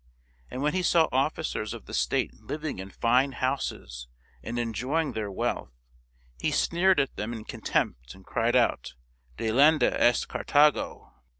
And when he saw officers of the state living in fine houses and en joying their wealth, he sneered at them in contempt and cried out, " Delenda est Carthago